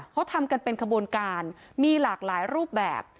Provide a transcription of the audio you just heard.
เขาทำกันเป็นขบวนการมีหลากหลายรูปแบบ